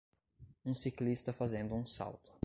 Um ciclista fazendo um salto.